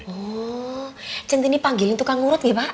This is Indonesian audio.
oh centini panggilin tukang urut gak pak